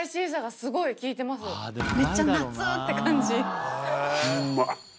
めっちゃ夏って感じ。